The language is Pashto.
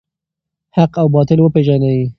حق او باطل وپیژنئ.